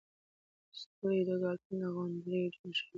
ستوري د ګازونو له غونډاریو جوړ شوي دي.